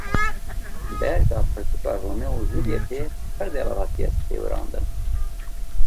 Berga pirtûka Romeo û Julîet a pir delal hatiye sêwirandin.